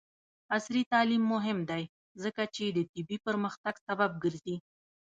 عصري تعلیم مهم دی ځکه چې د طبي پرمختګ سبب ګرځي.